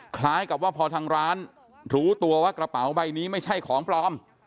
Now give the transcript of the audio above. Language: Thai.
คล้ายกับว่าพอทางร้านรู้ตัวว่ากระเป๋าใบนี้ไม่ใช่ของปลอม